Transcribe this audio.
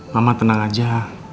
mama tenang aja